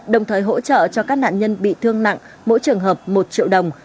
đồng thời hỗ trợ cho các nạn nhân bị thương nặng mỗi trường hợp một triệu đồng